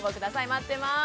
待ってます。